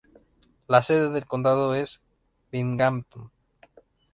La sede del condado es Binghamton.